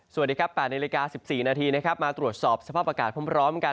สวัสดีครับป่าน